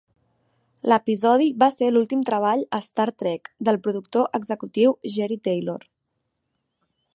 L'episodi va ser l'últim treball a "Star Trek" pel productor executiu Jeri Taylor.